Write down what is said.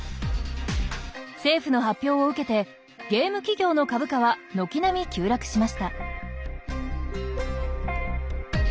政府の発表を受けてゲーム企業の株価は軒並み急落しました。